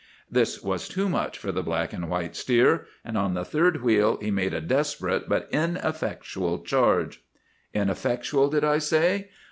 This was too much for the black and white steer, and on the third wheel he made a desperate but ineffectual charge. "Ineffectual did I say?